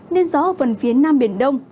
nên gió vần phía nam biển đông